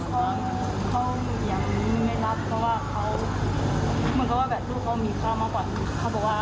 ตอนพูดถึงไหมมีปัญหา